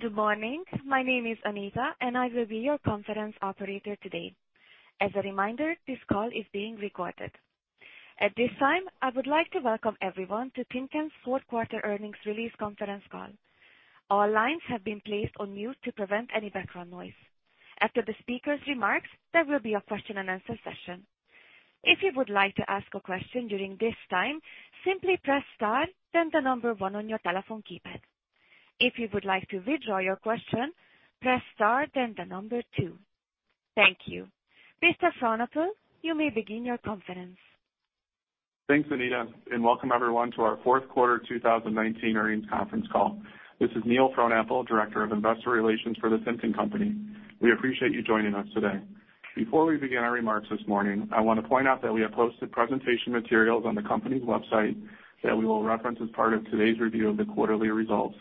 Good morning. My name is Anita. I will be your Conference Operator today. As a reminder, this call is being recorded. At this time, I would like to welcome everyone to Timken's fourth quarter earnings release conference call. All lines have been placed on mute to prevent any background noise. After the speaker's remarks, there will be a question-and-answer session. If you would like to ask a question during this time, simply press star, then number one on your telephone keypad. If you would like to withdraw your question, press star, then number two. Thank you. Mr. Frohnapple, you may begin your conference. Thanks, Anita. Welcome everyone to our fourth quarter 2019 earnings conference call. This is Neil Frohnapple, Director of Investor Relations for The Timken Company. We appreciate you joining us today. Before we begin our remarks this morning, I want to point out that we have posted presentation materials on the company's website that we will reference as part of today's review of the quarterly results.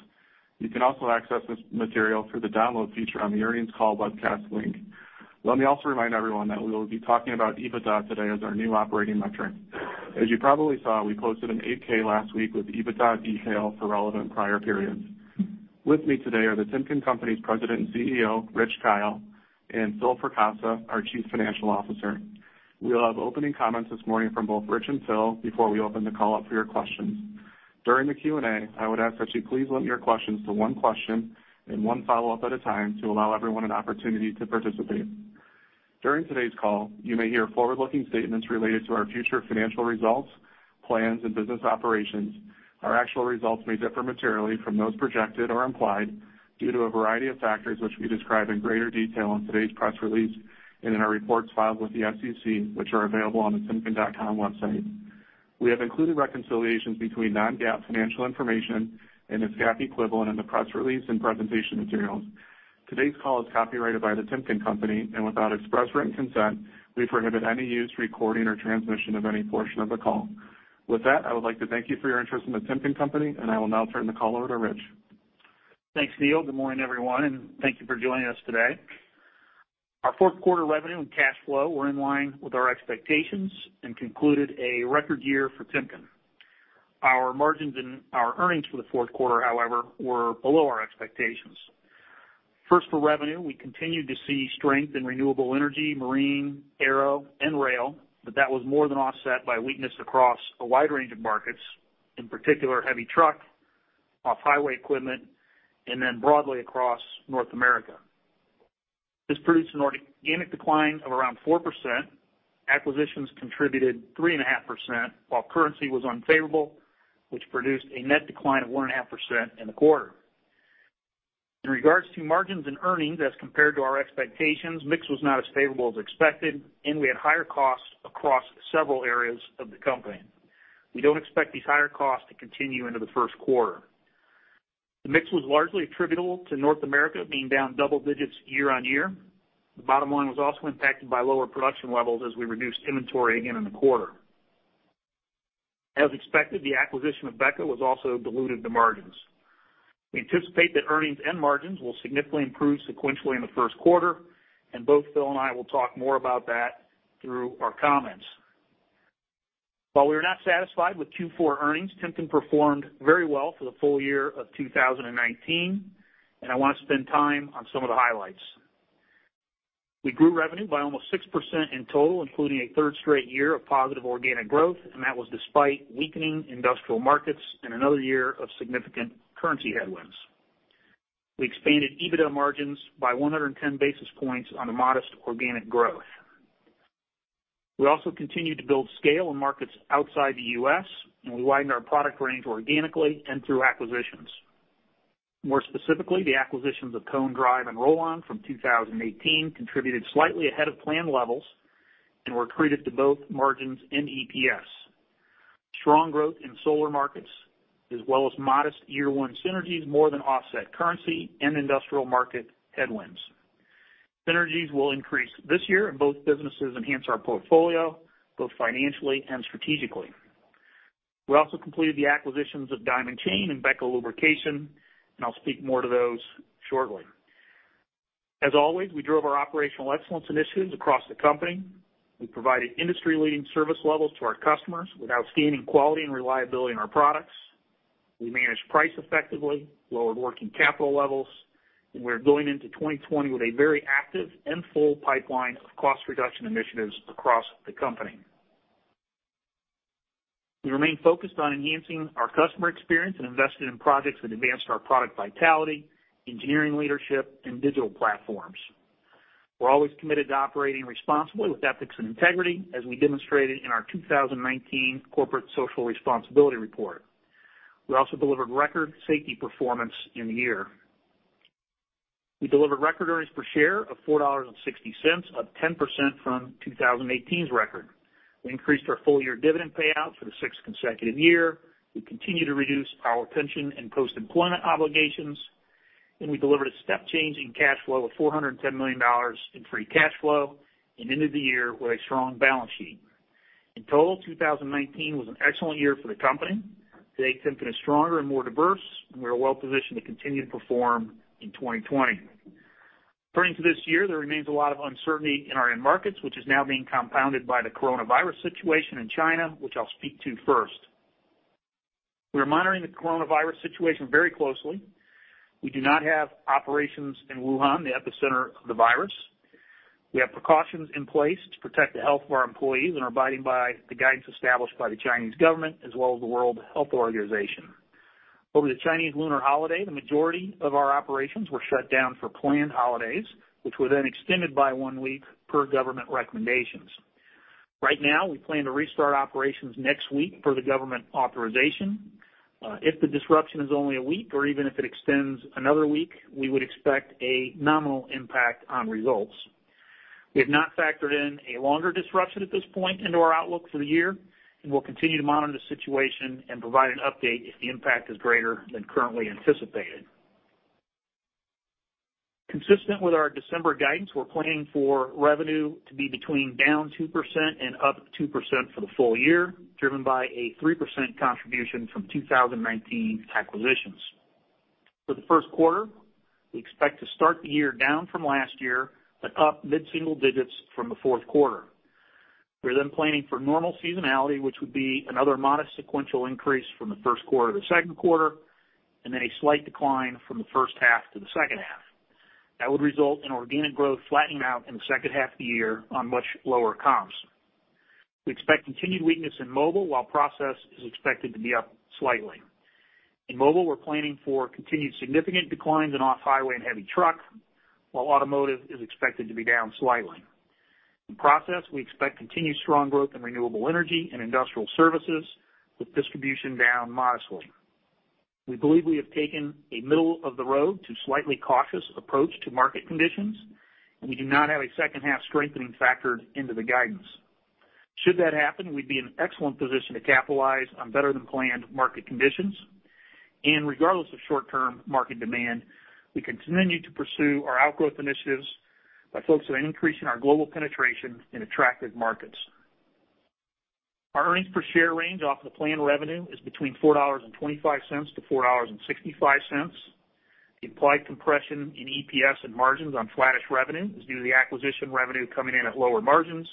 You can also access this material through the Download feature on the earnings call webcast link. Let me also remind everyone that we will be talking about EBITDA today as our new operating metric. As you probably saw, we posted an 8-K last week with EBITDA detail for relevant prior periods. With me today are The Timken Company's President and CEO, Rich Kyle, and Phil Fracassa, our Chief Financial Officer. We'll have opening comments this morning from both Rich and Phil before we open the call up for your questions. During the Q&A, I would ask that you please limit your questions to one question and one follow-up at a time to allow everyone an opportunity to participate. During today's call, you may hear forward-looking statements related to our future financial results, plans, and business operations. Our actual results may differ materially from those projected or implied due to a variety of factors, which we describe in greater detail in today's press release and in our reports filed with the SEC, which are available on the timken.com website. We have included reconciliations between non-GAAP financial information and its GAAP equivalent in the press release and presentation materials. Today's call is copyrighted by The Timken Company, and without express written consent, we prohibit any use, recording, or transmission of any portion of the call. With that, I would like to thank you for your interest in The Timken Company, and I will now turn the call over to Rich. Thanks, Neil. Good morning, everyone, and thank you for joining us today. Our fourth quarter revenue and cash flow were in line with our expectations and concluded a record year for Timken. Our margins and our earnings for the fourth quarter, however, were below our expectations. First, for revenue, we continued to see strength in renewable energy, marine, aero, and rail, but that was more than offset by weakness across a wide range of markets, in particular heavy truck, off-highway equipment, and then broadly across North America. This produced an organic decline of around 4%. Acquisitions contributed 3.5%, while currency was unfavorable, which produced a net decline of 1.5% in the quarter. In regards to margins and earnings as compared to our expectations, mix was not as favorable as expected, and we had higher costs across several areas of the company. We don't expect these higher costs to continue into the first quarter. The mix was largely attributable to North America being down double digits year-on-year. The bottom line was also impacted by lower production levels as we reduced inventory again in the quarter. As expected, the acquisition of BEKA was also diluted to margins. We anticipate that earnings and margins will significantly improve sequentially in the first quarter, and both Phil and I will talk more about that through our comments. While we were not satisfied with Q4 earnings, Timken performed very well for the full year of 2019, and I want to spend time on some of the highlights. We grew revenue by almost 6% in total, including a third straight year of positive organic growth, and that was despite weakening industrial markets and another year of significant currency headwinds. We expanded EBITDA margins by 110 basis points on a modest organic growth. We also continued to build scale in markets outside the U.S., and we widened our product range organically and through acquisitions. More specifically, the acquisitions of Cone Drive and Rollon from 2018 contributed slightly ahead of planned levels and were accretive to both margins and EPS. Strong growth in solar markets, as well as modest year one synergies more than offset currency and industrial market headwinds. Synergies will increase this year, and both businesses enhance our portfolio both financially and strategically. We also completed the acquisitions of Diamond Chain and BEKA Lubrication, and I'll speak more to those shortly. As always, we drove our operational excellence initiatives across the company. We provided industry-leading service levels to our customers with outstanding quality and reliability in our products. We managed price effectively, lowered working capital levels, and we're going into 2020 with a very active and full pipeline of cost reduction initiatives across the company. We remain focused on enhancing our customer experience and invested in projects that advanced our product vitality, engineering leadership, and digital platforms. We're always committed to operating responsibly with ethics and integrity, as we demonstrated in our 2019 Corporate Social Responsibility Report. We also delivered record safety performance in the year. We delivered record earnings per share of $4.60, up 10% from 2018's record. We increased our full-year dividend payout for the sixth consecutive year. We continue to reduce our pension and post-employment obligations. We delivered a step change in cash flow of $410 million in free cash flow and ended the year with a strong balance sheet. In total, 2019 was an excellent year for the company. Today, Timken is stronger and more diverse, and we are well positioned to continue to perform in 2020. According to this year, there remains a lot of uncertainty in our end markets, which is now being compounded by the coronavirus situation in China, which I'll speak to first. We are monitoring the coronavirus situation very closely. We do not have operations in Wuhan, the epicenter of the virus. We have precautions in place to protect the health of our employees and are abiding by the guidance established by the Chinese government, as well as the World Health Organization. Over the Chinese lunar holiday, the majority of our operations were shut down for planned holidays, which were then extended by one week per government recommendations. Right now, we plan to restart operations next week per the government authorization. If the disruption is only a week or even if it extends another week, we would expect a nominal impact on results. We have not factored in a longer disruption at this point into our outlook for the year, and we'll continue to monitor the situation and provide an update if the impact is greater than currently anticipated. Consistent with our December guidance, we're planning for revenue to be between down 2% and up 2% for the full year, driven by a 3% contribution from 2019 acquisitions. For the first quarter, we expect to start the year down from last year, but up mid-single digits from the fourth quarter. We're then planning for normal seasonality, which would be another modest sequential increase from the first quarter to the second quarter, and then a slight decline from the first half to the second half. That would result in organic growth flattening out in the second half of the year on much lower comps. We expect continued weakness in Mobile Industries, while Process Industries is expected to be up slightly. In Mobile Industries, we're planning for continued significant declines in off-highway and heavy truck, while Automotive is expected to be down slightly. In Process Industries, we expect continued strong growth in renewable energy and industrial services, with distribution down modestly. We believe we have taken a middle-of-the-road to slightly cautious approach to market conditions. We do not have a second half strengthening factored into the guidance. Should that happen, we'd be in excellent position to capitalize on better than planned market conditions. Regardless of short-term market demand, we continue to pursue our outgrowth initiatives by focusing on increasing our global penetration in attractive markets. Our earnings per share range off of the planned revenue is between $4.25-$4.65. The implied compression in EPS and margins on flattish revenue is due to the acquisition revenue coming in at lower margins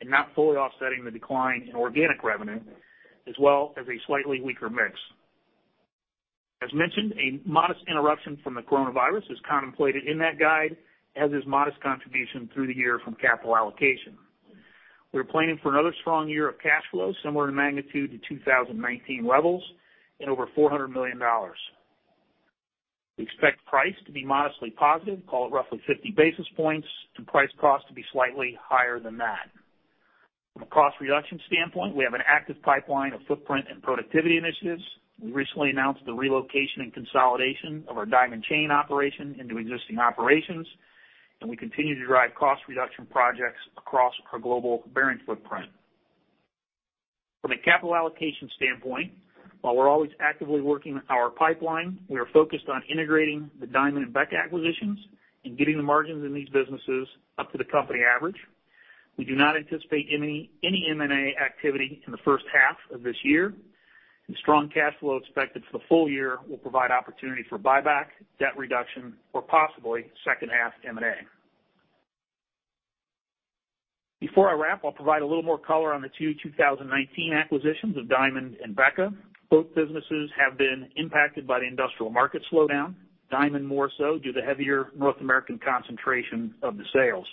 and not fully offsetting the decline in organic revenue, as well as a slightly weaker mix. As mentioned, a modest interruption from the coronavirus is contemplated in that guide, as is modest contribution through the year from capital allocation. We're planning for another strong year of cash flow, similar in magnitude to 2019 levels and over $400 million. We expect price to be modestly positive, call it roughly 50 basis points, and price cost to be slightly higher than that. From a cost reduction standpoint, we have an active pipeline of footprint and productivity initiatives. We recently announced the relocation and consolidation of our Diamond Chain operation into existing operations, and we continue to drive cost reduction projects across our global bearing footprint. From a capital allocation standpoint, while we're always actively working our pipeline, we are focused on integrating the Diamond and BEKA acquisitions and getting the margins in these businesses up to the company average. We do not anticipate any M&A activity in the first half of this year. The strong cash flow expected for the full year will provide opportunity for buyback, debt reduction, or possibly second half M&A. Before I wrap, I'll provide a little more color on the two 2019 acquisitions of Diamond and BEKA. Both businesses have been impacted by the industrial market slowdown, Diamond more so due to heavier North American concentration of the sales.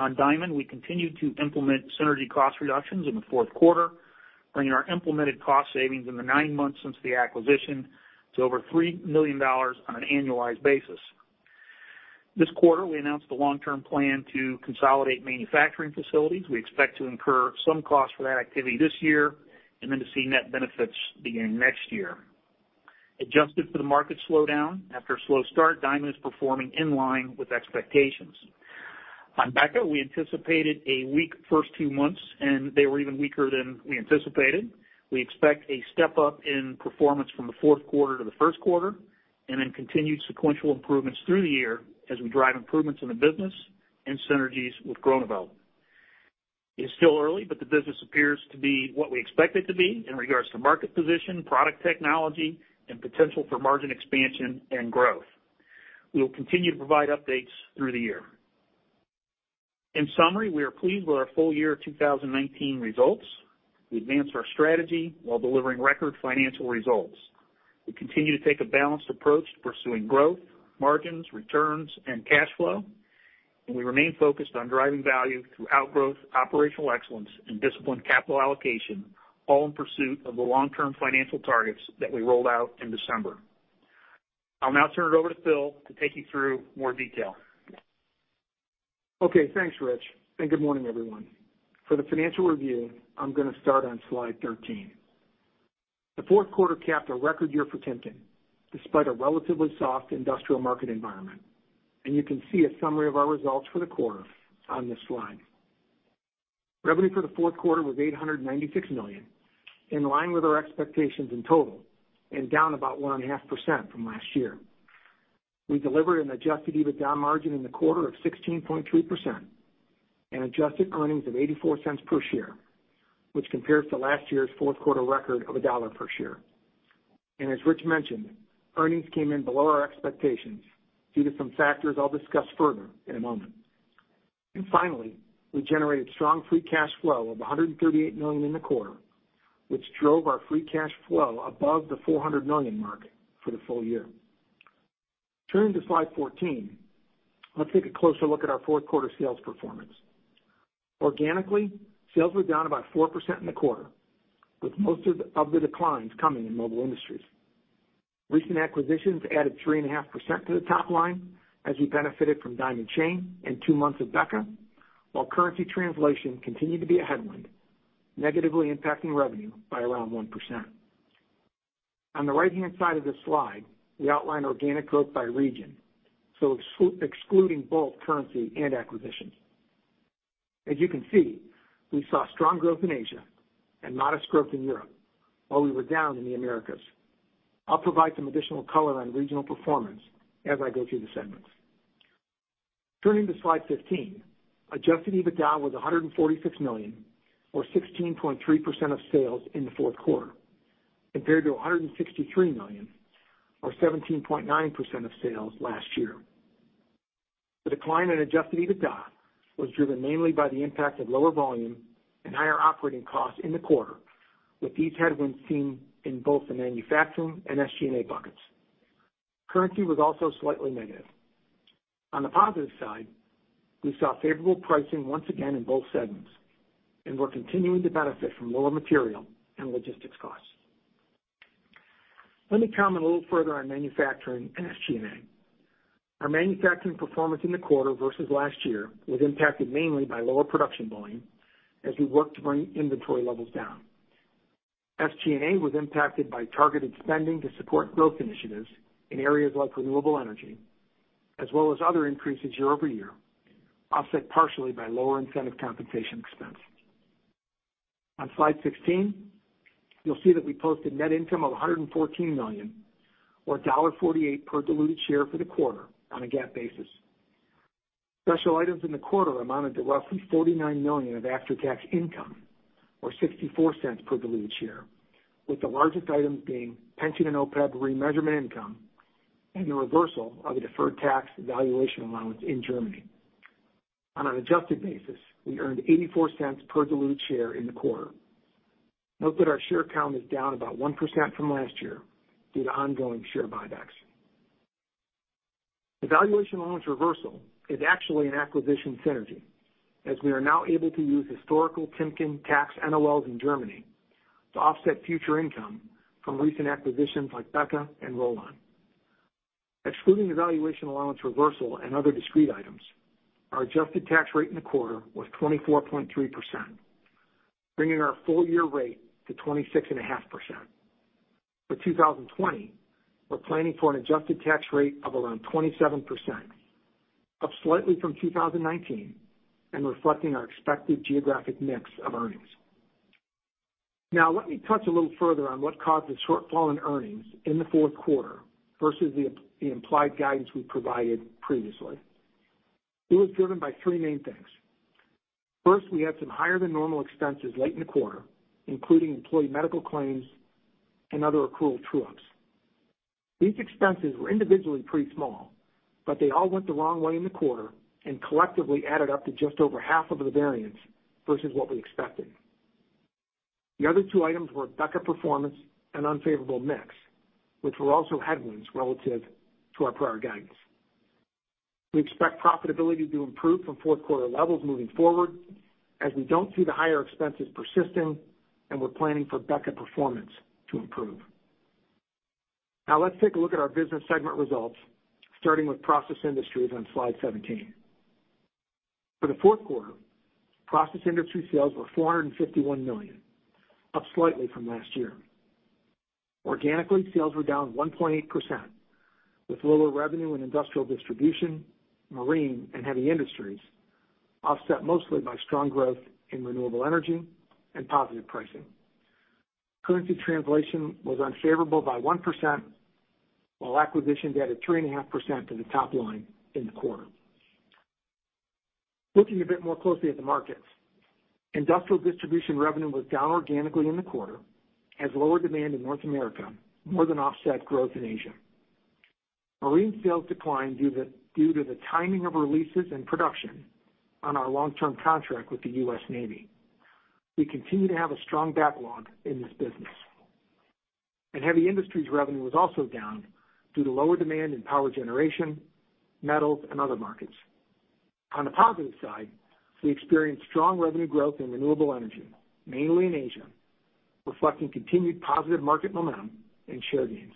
On Diamond, we continued to implement synergy cost reductions in the fourth quarter, bringing our implemented cost savings in the nine months since the acquisition to over $3 million on an annualized basis. This quarter, we announced the long-term plan to consolidate manufacturing facilities. We expect to incur some cost for that activity this year, and then to see net benefits beginning next year. Adjusted for the market slowdown, after a slow start, Diamond is performing in line with expectations. On BEKA, we anticipated a weak first two months, and they were even weaker than we anticipated. We expect a step-up in performance from the fourth quarter to the first quarter, and then continued sequential improvements through the year as we drive improvements in the business and synergies with Groeneveld. It's still early, the business appears to be what we expect it to be in regards to market position, product technology, and potential for margin expansion and growth. We will continue to provide updates through the year. In summary, we are pleased with our full year 2019 results. We advanced our strategy while delivering record financial results. We continue to take a balanced approach to pursuing growth, margins, returns, and cash flow, we remain focused on driving value through outgrowth, operational excellence, and disciplined capital allocation, all in pursuit of the long-term financial targets that we rolled out in December. I'll now turn it over to Phil to take you through more detail. Okay. Thanks, Rich, and good morning, everyone. For the financial review, I'm gonna start on slide 13. The fourth quarter capped a record year for Timken, despite a relatively soft industrial market environment. You can see a summary of our results for the quarter on this slide. Revenue for the fourth quarter was $896 million, in line with our expectations in total, and down about 1.5% from last year. We delivered an adjusted EBITDA margin in the quarter of 16.3% and adjusted earnings of $0.84 per share, which compares to last year's fourth quarter record of $1 per share. As Rich mentioned, earnings came in below our expectations due to some factors I'll discuss further in a moment. Finally, we generated strong free cash flow of $138 million in the quarter, which drove our free cash flow above the $400 million mark for the full year. Turning to slide 14, let's take a closer look at our fourth quarter sales performance. Organically, sales were down about 4% in the quarter, with most of the declines coming in Mobile Industries. Recent acquisitions added 3.5% to the top line as we benefited from Diamond Chain and two months of BEKA, while currency translation continued to be a headwind, negatively impacting revenue by around 1%. On the right-hand side of this slide, we outline organic growth by region, so excluding both currency and acquisitions. As you can see, we saw strong growth in Asia and modest growth in Europe, while we were down in the Americas. I'll provide some additional color on regional performance as I go through the segments. Turning to slide 15, adjusted EBITDA was $146 million or 16.3% of sales in the fourth quarter, compared to $163 million or 17.9% of sales last year. The decline in adjusted EBITDA was driven mainly by the impact of lower volume and higher operating costs in the quarter, with these headwinds seen in both the manufacturing and SG&A buckets. Currency was also slightly negative. On the positive side, we saw favorable pricing once again in both segments and we're continuing to benefit from lower material and logistics costs. Let me comment a little further on manufacturing and SG&A. Our manufacturing performance in the quarter versus last year was impacted mainly by lower production volume as we work to bring inventory levels down. SG&A was impacted by targeted spending to support growth initiatives in areas like renewable energy, as well as other increases year-over-year, offset partially by lower incentive compensation expense. On slide 16, you'll see that we posted net income of $114 million or $1.48 per diluted share for the quarter on a GAAP basis. Special items in the quarter amounted to roughly $49 million of after-tax income, or $0.64 per diluted share, with the largest items being pension and OPEB remeasurement income and the reversal of a deferred tax valuation allowance in Germany. On an adjusted basis, we earned $0.84 per diluted share in the quarter. Note that our share count is down about 1% from last year due to ongoing share buybacks. The valuation allowance reversal is actually an acquisition synergy, as we are now able to use historical Timken tax NOLs in Germany to offset future income from recent acquisitions like BEKA and Rollon. Excluding the valuation allowance reversal and other discrete items, our adjusted tax rate in the quarter was 24.3%, bringing our full-year rate to 26.5%. For 2020, we're planning for an an adjusted tax rate of around 27%, up slightly from 2019 and reflecting our expected geographic mix of earnings. Let me touch a little further on what caused the shortfall in earnings in the fourth quarter versus the implied guidance we provided previously. It was driven by three main things. We had some higher than normal expenses late in the quarter, including employee medical claims and other accrual true-ups. These expenses were individually pretty small, but they all went the wrong way in the quarter and collectively added up to just over half of the variance versus what we expected. The other two items were BEKA performance and unfavorable mix, which were also headwinds relative to our prior guidance. We expect profitability to improve from fourth quarter levels moving forward as we don't see the higher expenses persisting, we're planning for BEKA performance to improve. Let's take a look at our business segment results, starting with Process Industries on slide 17. For the fourth quarter, Process Industry sales were $451 million, up slightly from last year. Organically, sales were down 1.8%, with lower revenue in industrial distribution, marine, and heavy industries offset mostly by strong growth in renewable energy and positive pricing. Currency translation was unfavorable by 1%, while acquisitions added 3.5% to the top line in the quarter. Looking a bit more closely at the markets, industrial distribution revenue was down organically in the quarter as lower demand in North America more than offset growth in Asia. Marine sales declined due to the timing of releases and production on our long-term contract with the U.S. Navy. We continue to have a strong backlog in this business. Heavy industries revenue was also down due to lower demand in power generation, metals, and other markets. On the positive side, we experienced strong revenue growth in renewable energy, mainly in Asia, reflecting continued positive market momentum and share gains.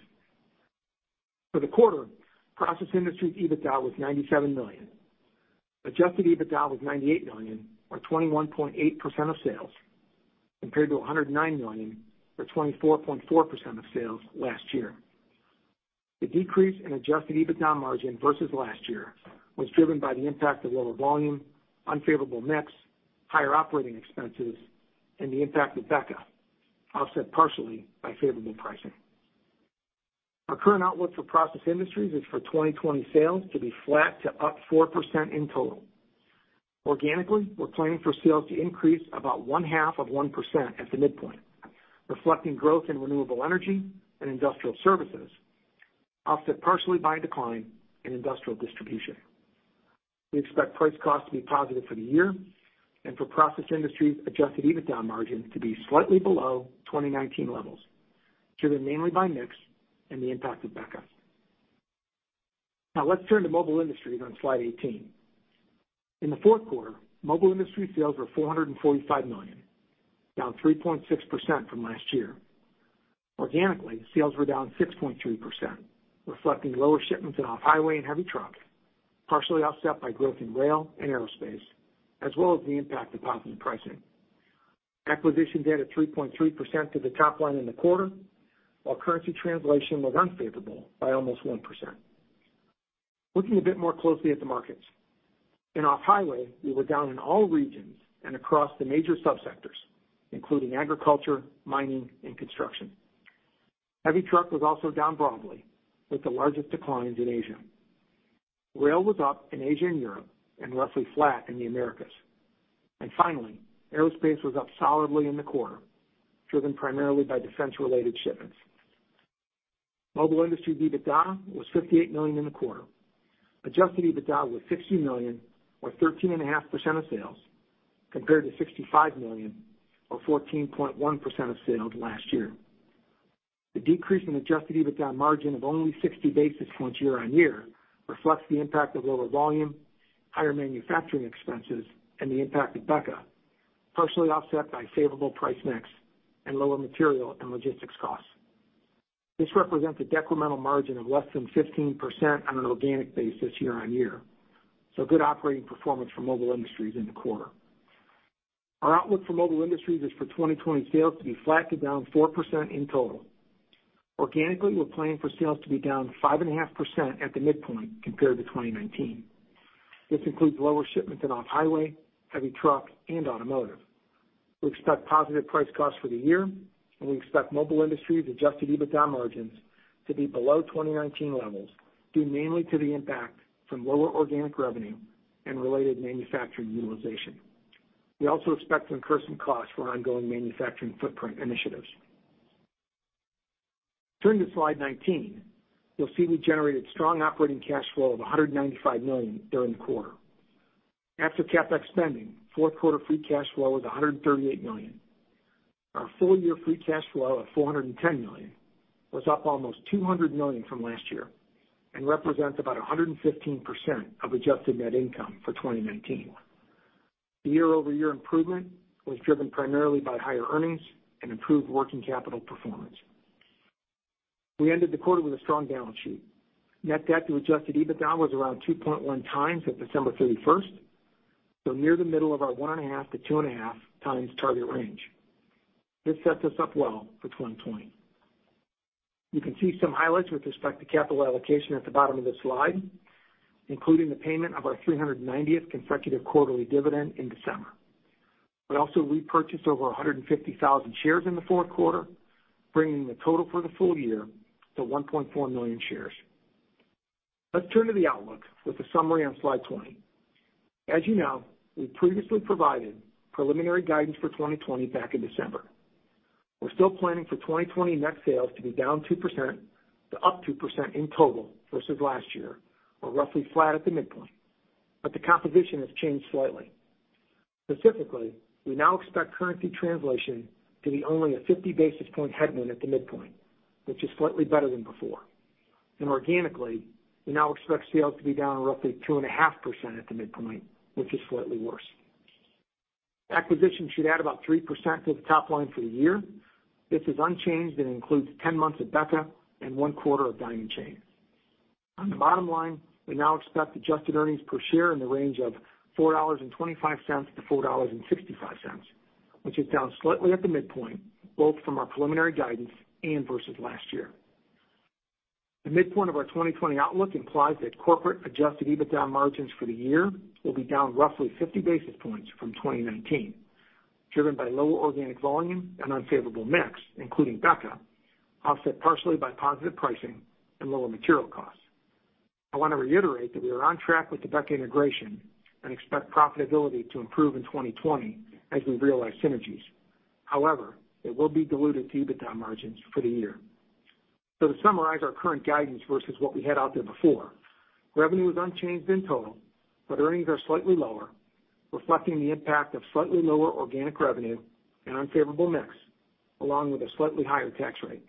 For the quarter, Process Industries' EBITDA was $97 million. Adjusted EBITDA was $98 million or 21.8% of sales compared to $109 million or 24.4% of sales last year. The decrease in adjusted EBITDA margin versus last year was driven by the impact of lower volume, unfavorable mix, higher operating expenses, and the impact of BEKA, offset partially by favorable pricing. Our current outlook for Process Industries is for 2020 sales to be flat to up 4% in total. Organically, we're planning for sales to increase about one-half of 1% at the midpoint, reflecting growth in renewable energy and industrial services, offset partially by a decline in industrial distribution. We expect price cost to be positive for the year and for Process Industries adjusted EBITDA margin to be slightly below 2019 levels, driven mainly by mix and the impact of BEKA. Let's turn to Mobile Industries on slide 18. In the fourth quarter, Mobile Industries sales were $445 million, down 3.6% from last year. Organically, sales were down 6.3%, reflecting lower shipments in off-highway and heavy truck, partially offset by growth in rail and aerospace, as well as the impact of positive pricing. Acquisitions added 3.3% to the top line in the quarter, while currency translation was unfavorable by almost 1%. Looking a bit more closely at the markets. In off-highway, we were down in all regions and across the major sub-sectors, including agriculture, mining, and construction. Heavy truck was also down broadly, with the largest declines in Asia. Rail was up in Asia and Europe, and roughly flat in the Americas. Finally, aerospace was up solidly in the quarter, driven primarily by defense-related shipments. Mobile Industries EBITDA was $58 million in the quarter. Adjusted EBITDA was $60 million, or 13.5% of sales, compared to $65 million or 14.1% of sales last year. The decrease in adjusted EBITDA margin of only 60 basis points year-on-year reflects the impact of lower volume, higher manufacturing expenses, and the impact of BEKA, partially offset by favorable price mix and lower material and logistics costs. This represents a decremental margin of less than 15% on an organic basis year-on-year, so good operating performance for Mobile Industries in the quarter. Our outlook for Mobile Industries is for 2020 sales to be flat to down 4% in total. Organically, we're planning for sales to be down 5.5% at the midpoint compared to 2019. This includes lower shipments in off-highway, heavy truck, and automotive. We expect positive price costs for the year, and we expect Mobile Industries adjusted EBITDA margins to be below 2019 levels, due mainly to the impact from lower organic revenue and related manufacturing utilization. We also expect to incur some costs for ongoing manufacturing footprint initiatives. Turning to slide 19, you'll see we generated strong operating cash flow of $195 million during the quarter. After CapEx spending, fourth quarter free cash flow was $138 million. Our full-year free cash flow of $410 million was up almost $200 million from last year and represents about 115% of adjusted net income for 2019. The year-over-year improvement was driven primarily by higher earnings and improved working capital performance. We ended the quarter with a strong balance sheet. Net debt to adjusted EBITDA was around 2.1x at December 31st, so near the middle of our 1.5x to 2.5x target range. This sets us up well for 2020. You can see some highlights with respect to capital allocation at the bottom of the slide, including the payment of our 390th consecutive quarterly dividend in December. We also repurchased over 150,000 shares in the fourth quarter, bringing the total for the full year to 1.4 million shares. Let's turn to the outlook with a summary on slide 20. As you know, we previously provided preliminary guidance for 2020 back in December. We're still planning for 2020 net sales to be down 2% to up 2% in total versus last year, or roughly flat at the midpoint, but the composition has changed slightly. Specifically, we now expect currency translation to be only a 50-basis-point headwind at the midpoint, which is slightly better than before. Organically, we now expect sales to be down roughly 2.5% at the midpoint, which is slightly worse. Acquisitions should add about 3% to the top line for the year. This is unchanged and includes 10 months of BEKA and one quarter of Diamond Chain. On the bottom line, we now expect adjusted earnings per share in the range of $4.25 to $4.65, which is down slightly at the midpoint, both from our preliminary guidance and versus last year. The midpoint of our 2020 outlook implies that corporate adjusted EBITDA margins for the year will be down roughly 50 basis points from 2019, driven by lower organic volume and unfavorable mix, including BEKA, offset partially by positive pricing and lower material costs. I want to reiterate that we are on track with the BEKA integration and expect profitability to improve in 2020 as we realize synergies. It will be diluted to EBITDA margins for the year. To summarize our current guidance versus what we had out there before, revenue is unchanged in total, but earnings are slightly lower, reflecting the impact of slightly lower organic revenue and unfavorable mix, along with a slightly higher tax rate.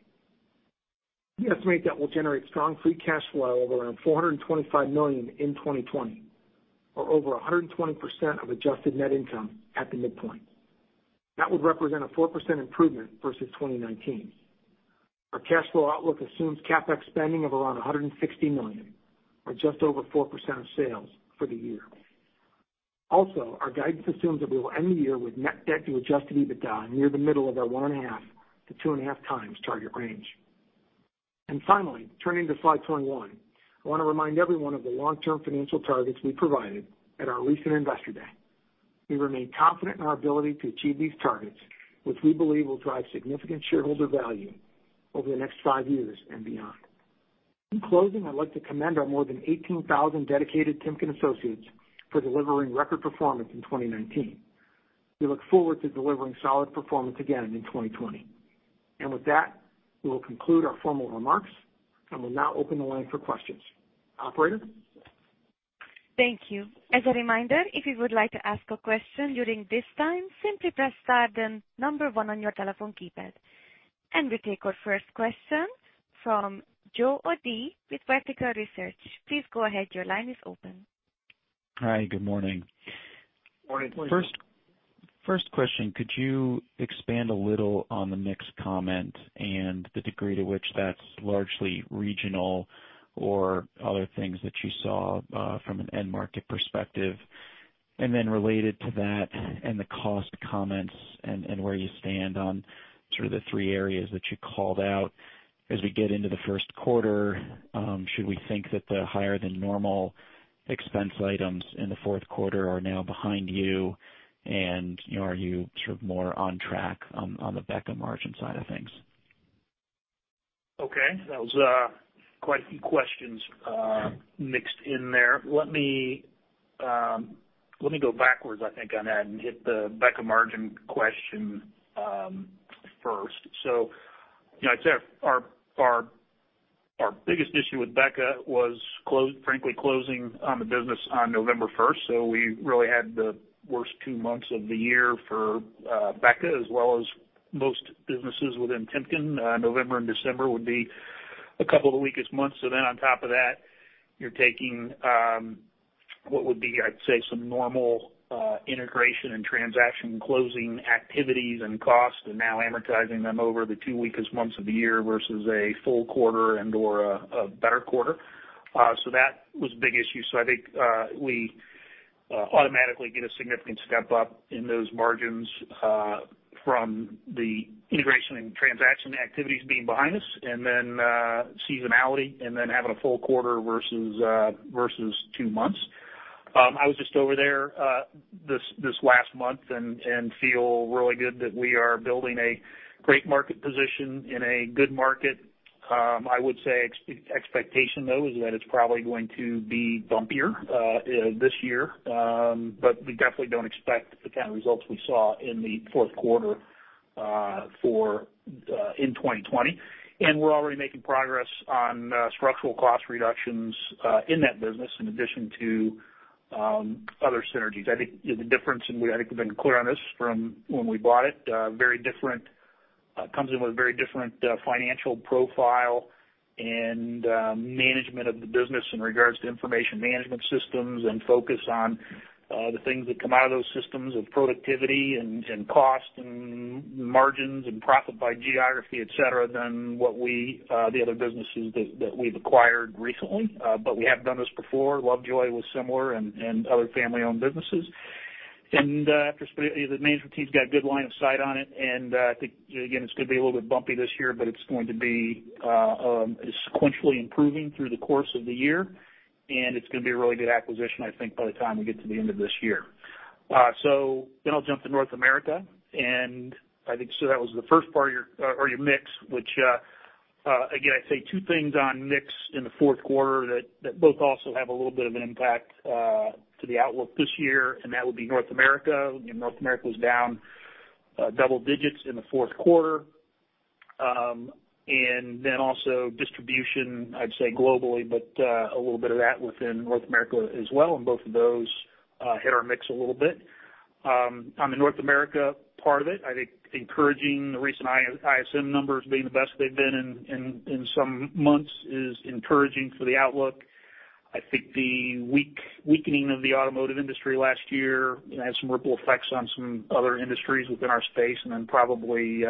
We estimate that we'll generate strong free cash flow of around $425 million in 2020, or over 120% of adjusted net income at the midpoint. That would represent a 4% improvement versus 2019. Our cash flow outlook assumes CapEx spending of around $160 million, or just over 4% of sales for the year. Our guidance assumes that we will end the year with net debt to adjusted EBITDA near the middle of our 1.5x-2.5x target range. Finally, turning to slide 21, I want to remind everyone of the long-term financial targets we provided at our recent Investor Day. We remain confident in our ability to achieve these targets, which we believe will drive significant shareholder value over the next five years and beyond. In closing, I'd like to commend our more than 18,000 dedicated Timken associates for delivering record performance in 2019. We look forward to delivering solid performance again in 2020. With that, we will conclude our formal remarks. I will now open the line for questions. Operator? Thank you. As a reminder, if you would like to ask a question during this time, simply press star then number one on your telephone keypad. We take our first question from Joe O'Dea with Vertical Research. Please go ahead. Your line is open. Hi. Good morning. Morning. Morning. First question, could you expand a little on the mix comment and the degree to which that's largely regional or other things that you saw from an end market perspective? Related to that and the cost comments and where you stand on sort of the three areas that you called out as we get into the first quarter, should we think that the higher than normal expense items in the fourth quarter are now behind you? Are you sort of more on track on the BEKA margin side of things? Okay. That was quite a few questions mixed in there. Let me go backwards, I think, on that and hit the BEKA margin question first. I'd say our biggest issue with BEKA was frankly closing the business on November 1st. We really had the worst two months of the year for BEKA as well as most businesses within Timken. November and December would be a couple of the weakest months. On top of that, you're taking what would be, I'd say, some normal integration and transaction closing activities and costs and now amortizing them over the two weakest months of the year versus a full quarter and/or a better quarter. That was a big issue. I think we automatically get a significant step up in those margins from the integration and transaction activities being behind us and then seasonality and then having a full quarter versus two months. I was just over there this last month and feel really good that we are building a great market position in a good market. I would say expectation, though, is that it's probably going to be bumpier this year. We definitely don't expect the kind of results we saw in the fourth quarter in 2020. We're already making progress on structural cost reductions in that business in addition to other synergies. I think the difference, and I think we've been clear on this from when we bought it, comes in with a very different financial profile and management of the business in regards to information management systems and focus on the things that come out of those systems of productivity and cost and margins and profit by geography, et cetera, than what the other businesses that we've acquired recently. We have done this before. Lovejoy was similar and other family-owned businesses. The management team's got a good line of sight on it. I think, again, it's going to be a little bit bumpy this year, but it's going to be sequentially improving through the course of the year. It's going to be a really good acquisition, I think, by the time we get to the end of this year. I'll jump to North America, I think, that was the first part or your mix, which again, I'd say two things on mix in the fourth quarter that both also have a little bit of an impact to the outlook this year, and that would be North America. North America was down double digits in the fourth quarter. Also distribution, I'd say globally, but a little bit of that within North America as well, and both of those hit our mix a little bit. On the North America part of it, I think encouraging the recent ISM numbers being the best they've been in some months is encouraging for the outlook. I think the weakening of the automotive industry last year had some ripple effects on some other industries within our space, then probably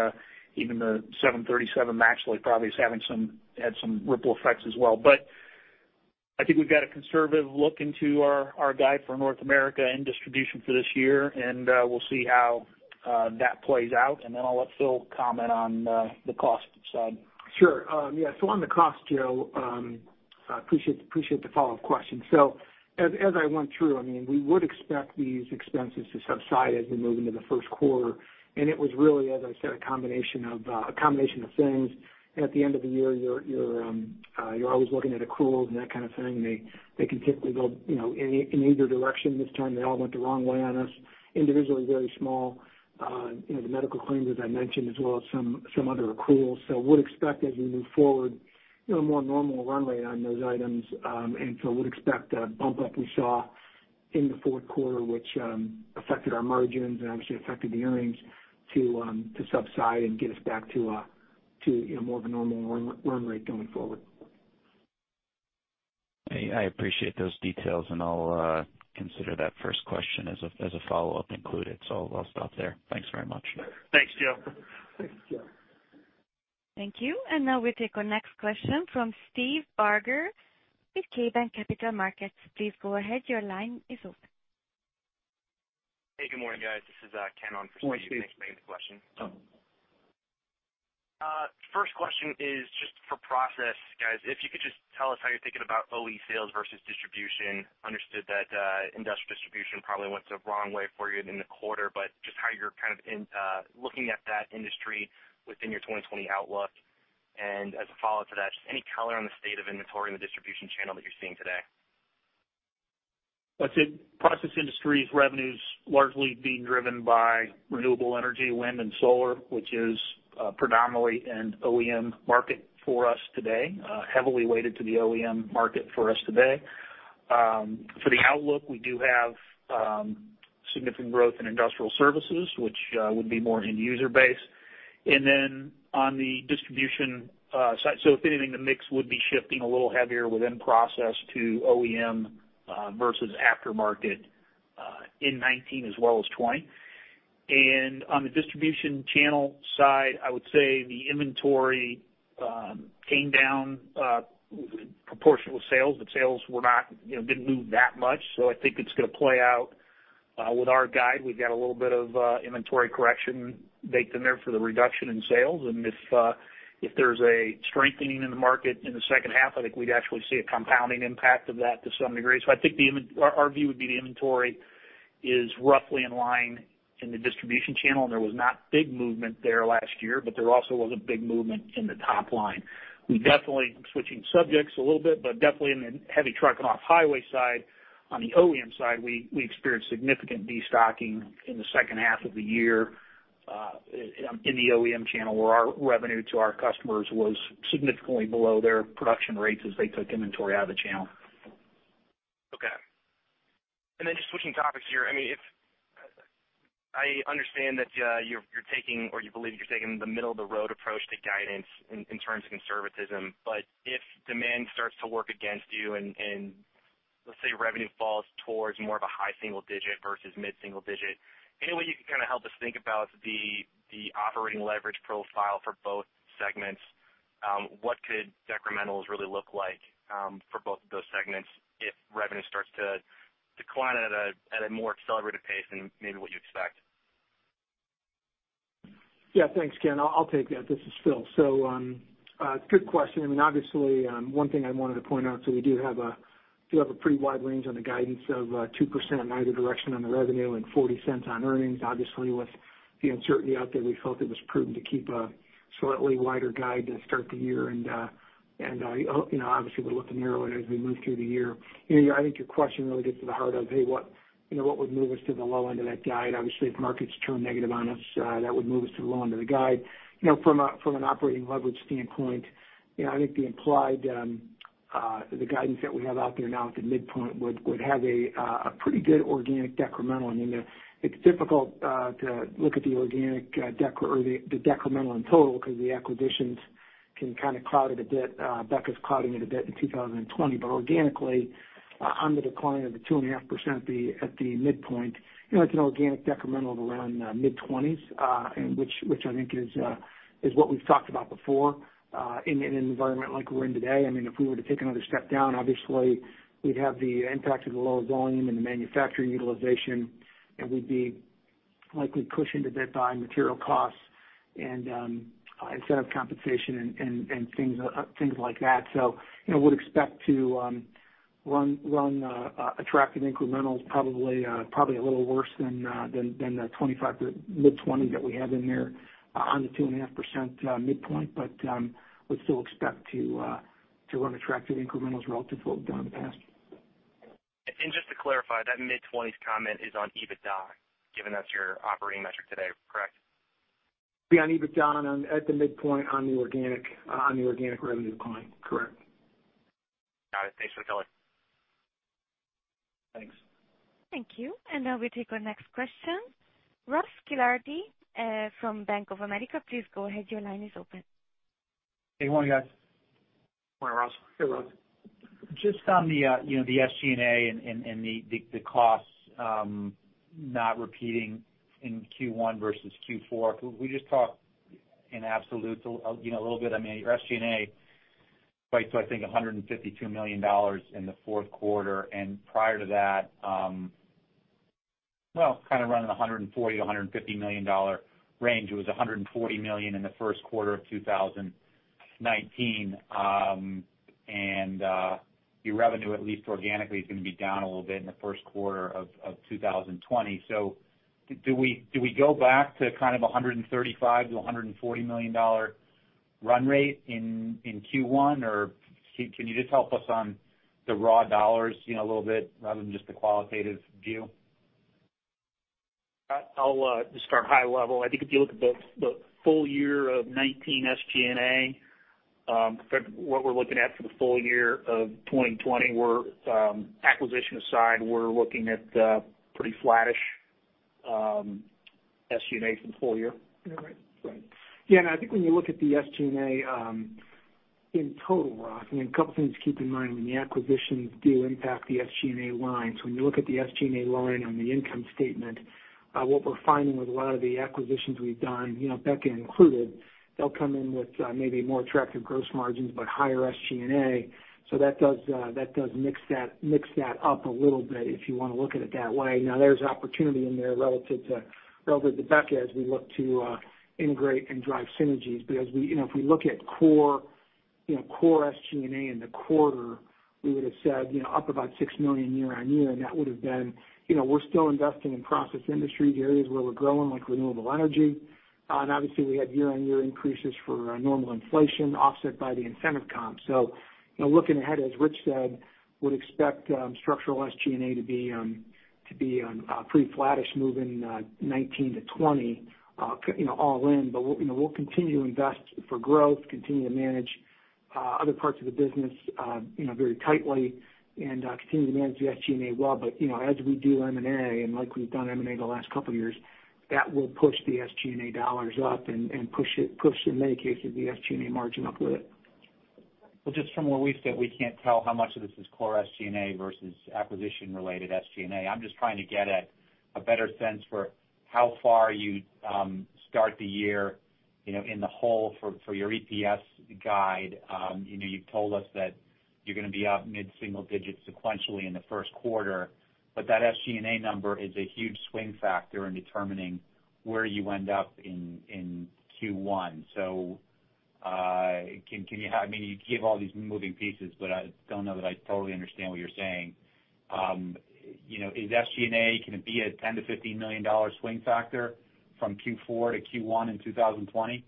even the 737 MAX probably had some ripple effects as well. I think we've got a conservative look into our guide for North America and distribution for this year, we'll see how that plays out. Then I'll let Phil comment on the cost side. Sure. Yeah. On the cost, Joe O'Dea, appreciate the follow-up question. As I went through, we would expect these expenses to subside as we move into the first quarter. It was really, as I said, a combination of things. At the end of the year, you're always looking at accruals and that kind of thing. They can typically go in either direction. This time, they all went the wrong way on us. Individually, very small. The medical claims, as I mentioned, as well as some other accruals. Would expect as we move forward, more normal run rate on those items. Would expect a bump up we saw in the fourth quarter, which affected our margins and obviously affected the earnings to subside and get us back to more of a normal run rate going forward. I appreciate those details, and I'll consider that first question as a follow-up included. I'll stop there. Thanks very much. Thanks, Joe. Thanks Joe. Thank you. Now we take our next question from Steve Barger with KeyBanc Capital Markets. Please go ahead. Your line is open. Hey, good morning, guys. This is Ken on for Steve. Morning, Steve. Thanks for taking the question. First question is just for Process, guys. If you could just tell us how you're thinking about OE sales versus distribution. Understood that industrial distribution probably went the wrong way for you in the quarter, but just how you're kind of looking at that industry within your 2020 outlook. As a follow-up to that, just any color on the state of inventory in the distribution channel that you're seeing today? Let's say Process Industries revenues largely being driven by renewable energy, wind, and solar, which is predominantly an OEM market for us today, heavily weighted to the OEM market for us today. For the outlook, we do have significant growth in industrial services, which would be more end-user based. Then on the distribution side, if anything, the mix would be shifting a little heavier within Process to OEM versus aftermarket in 2019 as well as 2020. On the distribution channel side, I would say the inventory came down proportional with sales, but sales didn't move that much. I think it's going to play out with our guide. We've got a little bit of inventory correction baked in there for the reduction in sales. If there's a strengthening in the market in the second half, I think we'd actually see a compounding impact of that to some degree. I think our view would be the inventory is roughly in line in the distribution channel, and there was not big movement there last year, but there also was a big movement in the top line. Switching subjects a little bit. Definitely in the heavy truck and off-highway side, on the OEM side, we experienced significant destocking in the second half of the year in the OEM channel, where our revenue to our customers was significantly below their production rates as they took inventory out of the channel. Okay. Just switching topics here. I understand that you believe you're taking the middle-of-the-road approach to guidance in terms of conservatism. If demand starts to work against you and, let's say, revenue falls towards more of a high single-digit versus mid-single-digit, any way you can kind of help us think about the operating leverage profile for both segments? What could decrementals really look like for both of those segments if revenue starts to decline at a more accelerated pace than maybe what you expect? Yeah, thanks, Ken. I'll take that. This is Phil. Good question. Obviously, one thing I wanted to point out, we do have a pretty wide range on the guidance of 2% in either direction on the revenue and $0.40 on earnings. Obviously, with the uncertainty out there, we felt it was prudent to keep a slightly wider guide to start the year. Obviously, we're looking to narrow it as we move through the year. I think your question really gets to the heart of, hey, what would move us to the low end of that guide? Obviously, if markets turn negative on us, that would move us to the low end of the guide. From an operating leverage standpoint, I think the guidance that we have out there now at the midpoint would have a pretty good organic decremental. It's difficult to look at the decremental in total because the acquisitions can kind of cloud it a bit. BEKA's clouding it a bit in 2020. But organically, on the decline of the 2.5% at the midpoint, it's an organic decremental of around mid-20s, which I think is what we've talked about before in an environment like we're in today. If we were to take another step down, obviously we'd have the impact of the lower volume and the manufacturing utilization, and we'd be likely pushed into bit by material costs and incentive compensation and things like that. So we'd expect to run attractive incrementals probably a little worse than the mid-20 that we have in there on the 2.5% midpoint. But we still expect to run attractive incrementals relative to what we've done in the past. Just to clarify, that mid-20s comment is on EBITDA, given that's your operating metric today, correct? It'd be on EBITDA at the midpoint on the organic revenue decline. Correct. Got it. Thanks for the color. Thanks. Thank you. Now we take our next question. Ross Gilardi from Bank of America. Please go ahead. Your line is open. Hey, good morning, guys. Morning, Ross. Hey, Ross. Just on the SG&A and the costs not repeating in Q1 versus Q4. Could we just talk in absolutes a little bit? Your SG&A, right, so I think $152 million in the fourth quarter. Prior to that, kind of running $140 million-$150 million range. It was $140 million in the first quarter of 2019. Your revenue, at least organically, is going to be down a little bit in the first quarter of 2020. Do we go back to kind of $135 million-$140 million run rate in Q1, or can you just help us on the raw dollars a little bit rather than just the qualitative view? I'll just start high level. I think if you look at the full year of 2019 SG&A compared to what we're looking at for the full year of 2020, acquisition aside, we're looking at pretty flattish SG&A for the full year. Right. Yeah, I think when you look at the SG&A in total, Ross, a couple things to keep in mind. When the acquisitions do impact the SG&A line. When you look at the SG&A line on the income statement, what we're finding with a lot of the acquisitions we've done, BEKA included, they'll come in with maybe more attractive gross margins, but higher SG&A. That does mix that up a little bit if you want to look at it that way. Now, there's opportunity in there relative to BEKA as we look to integrate and drive synergies. If we look at core SG&A in the quarter, we would've said up about $6 million year-on-year. We're still investing in Process Industries, the areas where we're growing, like renewable energy. Obviously we had year-over-year increases for normal inflation offset by the incentive comp. Looking ahead, as Rich said, would expect structural SG&A to be pretty flattish moving 2019 to 2020 all in. We'll continue to invest for growth, continue to manage other parts of the business very tightly and continue to manage the SG&A well. As we do M&A and like we've done M&A the last couple of years, that will push the SG&A dollars up and push, in many cases, the SG&A margin up with it. Well, just from where we sit, we can't tell how much of this is core SG&A versus acquisition-related SG&A. I'm just trying to get a better sense for how far you start the year in the hole for your EPS guide. You've told us that you're going to be up mid-single digits sequentially in the first quarter, that SG&A number is a huge swing factor in determining where you end up in Q1. I mean, you give all these moving pieces, I don't know that I totally understand what you're saying. Is SG&A, can it be a $10 million-$15 million swing factor from Q4 to Q1 in 2020?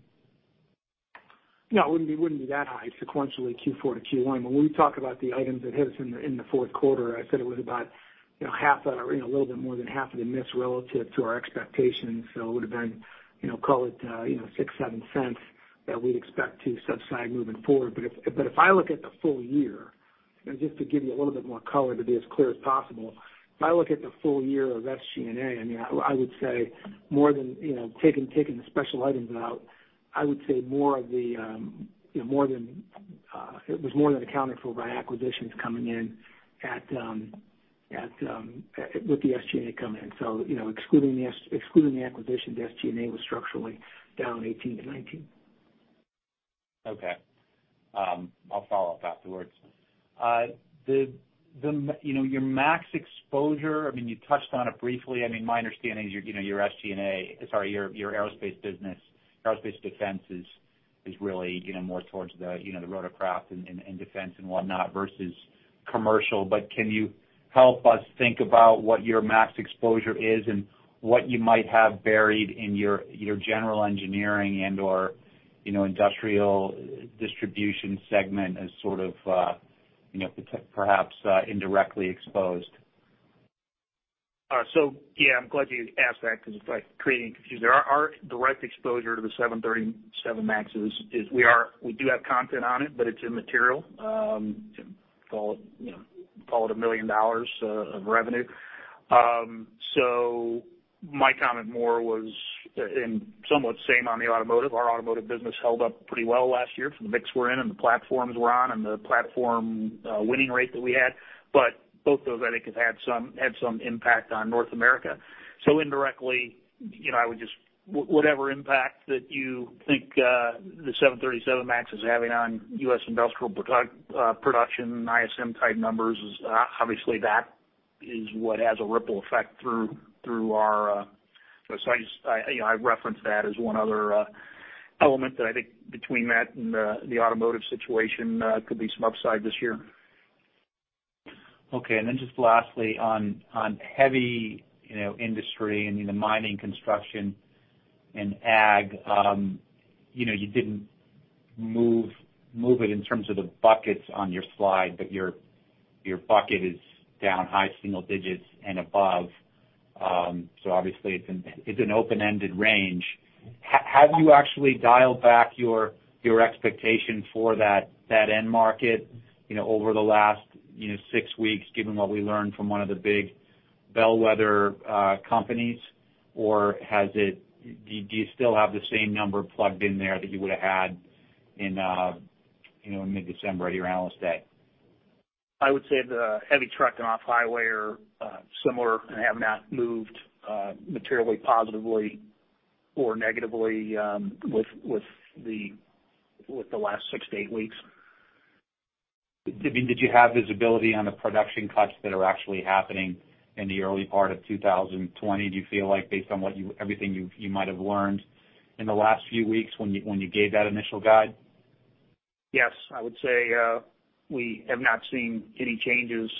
It wouldn't be that high sequentially Q4 to Q1. When we talk about the items that hit us in the fourth quarter, I said it was about a little bit more than half of the miss relative to our expectations. It would have been, call it $0.06, $0.07 that we'd expect to subside moving forward. If I look at the full year, just to give you a little bit more color to be as clear as possible. If I look at the full year of SG&A, I would say taking the special items out, I would say it was more than accounted for by acquisitions coming in with the SG&A come in. Excluding the acquisition, the SG&A was structurally down 2018 to 2019. Okay. I'll follow up afterwards. Your MAX exposure, you touched on it briefly. My understanding is your SG&A, sorry, your aerospace business, aerospace defense is really more towards the rotorcraft and defense and whatnot versus commercial. Can you help us think about what your MAX exposure is and what you might have buried in your general engineering and/or industrial distribution segment as sort of perhaps indirectly exposed? Yeah, I'm glad you asked that because it's creating confusion. Our direct exposure to the 737 MAX is we do have content on it, but it's immaterial. Call it $1 million of revenue. My comment more was, and somewhat same on the automotive. Our automotive business held up pretty well last year for the mix we're in and the platforms we're on and the platform winning rate that we had. Both those, I think, have had some impact on North America. Indirectly, whatever impact that you think the 737 MAX is having on U.S. industrial production, ISM type numbers, obviously that is what has a ripple effect through our. I reference that as one other element that I think between that and the automotive situation could be some upside this year. Okay. Just lastly on heavy industry and mining, construction, and ag. You didn't move it in terms of the buckets on your slide, your bucket is down high single digits and above. Obviously it's an open-ended range. Have you actually dialed back your expectation for that end market over the last 6 weeks, given what we learned from one of the big bellwether companies? Do you still have the same number plugged in there that you would have had in mid-December at your analyst day? I would say the heavy truck and off-highway are similar and have not moved materially positively or negatively with the last six to eight weeks. Did you have visibility on the production cuts that are actually happening in the early part of 2020? Do you feel like based on everything you might have learned in the last few weeks when you gave that initial guide? Yes. I would say we have not seen any changes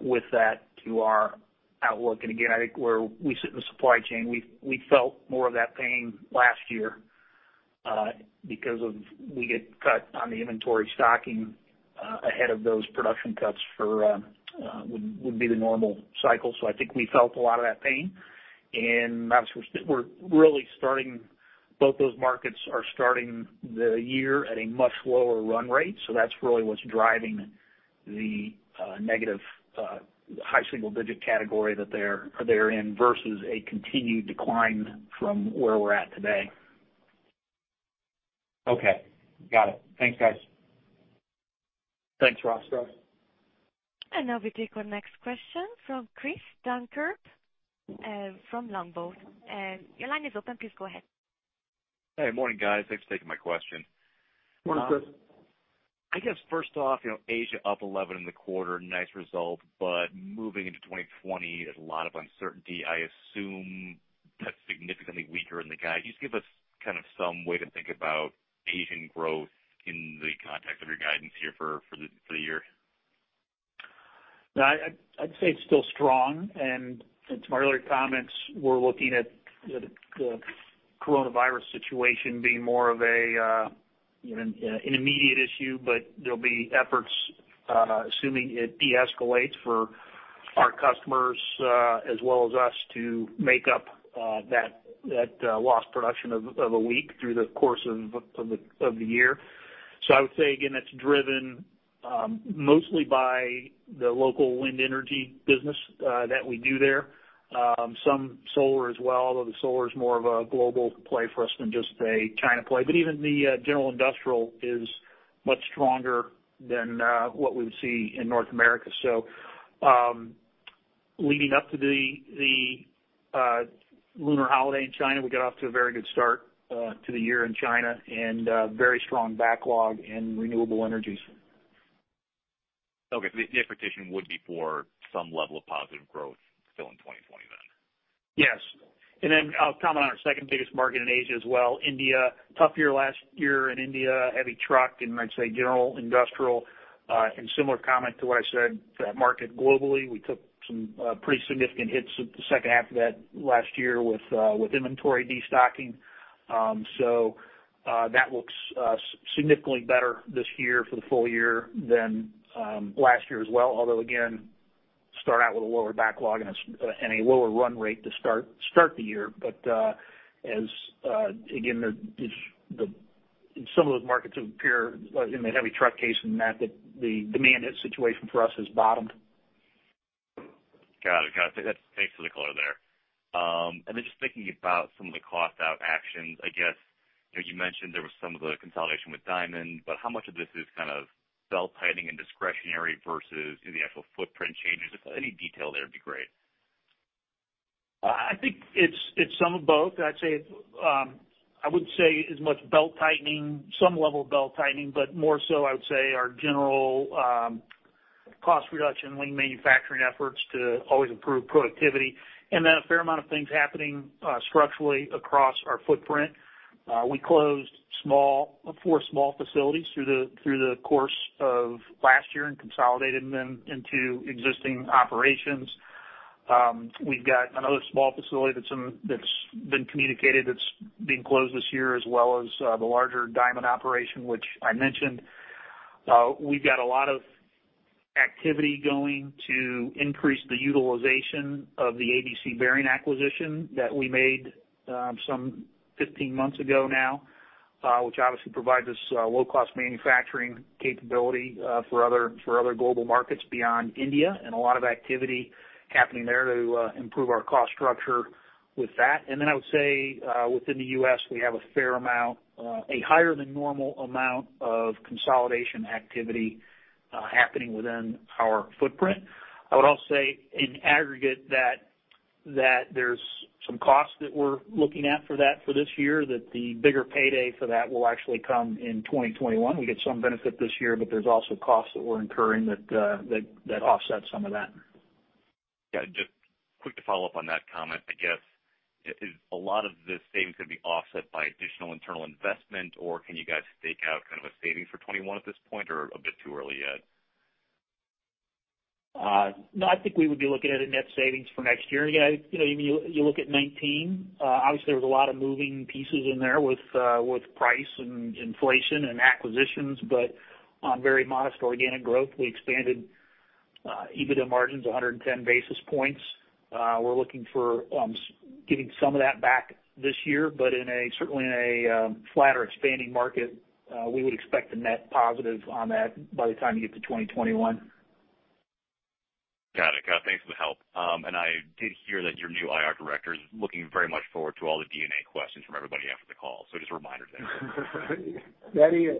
with that to our outlook. I think where we sit in the supply chain, we felt more of that pain last year because we get cut on the inventory stocking ahead of those production cuts would be the normal cycle. I think we felt a lot of that pain. We're really starting, both those markets are starting the year at a much lower run rate. That's really what's driving the negative high single digit category that they're in versus a continued decline from where we're at today. Okay. Got it. Thanks, guys. Thanks, Ross. Now we take our next question from Chris Dankert from Longbow. Your line is open. Please go ahead. Hey. Morning, guys. Thanks for taking my question. Morning, Chris. I guess first off, Asia up 11 in the quarter. Nice result, but moving into 2020, there's a lot of uncertainty. I assume that's significantly weaker in the guide. Just give us kind of some way to think about Asian growth in the context of your guidance here for the year. I'd say it's still strong, to my earlier comments, we're looking at the coronavirus situation being more of an immediate issue. There'll be efforts, assuming it deescalates, for our customers as well as us to make up that lost production of a week through the course of the year. I would say, again, that's driven mostly by the local wind energy business that we do there. Some solar as well, although the solar is more of a global play for us than just a China play. Even the general industrial is much stronger than what we would see in North America. Leading up to the lunar holiday in China, we got off to a very good start to the year in China and very strong backlog in renewable energies. Okay. The expectation would be for some level of positive growth still in 2020 then? Yes. Then I'll comment on our second biggest market in Asia as well. India, tough year last year in India, heavy truck and I'd say general industrial. Similar comment to what I said for that market globally, we took some pretty significant hits the second half of that last year with inventory destocking. That looks significantly better this year for the full year than last year as well. Although, again, start out with a lower backlog and a lower run rate to start the year. Again, in some of those markets appear, in the heavy truck case and that, the demand hit situation for us has bottomed. Got it. Thanks for the color there. Just thinking about some of the cost-out actions, I guess, you mentioned there was some of the consolidation with Diamond, but how much of this is kind of belt-tightening and discretionary versus the actual footprint changes? If any detail there, it'd be great. I think it's some of both. I'd say, I wouldn't say as much belt-tightening. Some level of belt-tightening, more so I would say our general cost reduction, lean manufacturing efforts to always improve productivity. A fair amount of things happening structurally across our footprint. We closed four small facilities through the course of last year and consolidated them into existing operations. We've got another small facility that's been communicated that's being closed this year as well as the larger Diamond operation, which I mentioned. We've got a lot of activity going to increase the utilization of the ABC Bearings acquisition that we made some 15 months ago now, which obviously provides us low-cost manufacturing capability for other global markets beyond India and a lot of activity happening there to improve our cost structure with that. I would say, within the U.S., we have a fair amount, a higher-than-normal amount of consolidation activity happening within our footprint. I would also say in aggregate that there's some costs that we're looking at for that for this year, that the bigger payday for that will actually come in 2021. We get some benefit this year, there's also costs that we're incurring that offset some of that. Yeah. Just quick to follow up on that comment, I guess. Is a lot of the savings going to be offset by additional internal investment, or can you guys stake out kind of a savings for 2021 at this point, or a bit too early yet? No, I think we would be looking at a net savings for next year. Again, you look at 2019, obviously there was a lot of moving pieces in there with price and inflation and acquisitions, but on very modest organic growth, we expanded EBITDA margins 110 basis points. We're looking for getting some of that back this year, but certainly in a flatter expanding market, we would expect a net positive on that by the time you get to 2021. Got it. Thanks for the help. I did hear that your new IR director is looking very much forward to all the DNA questions from everybody after the call. Just a reminder there. That he is.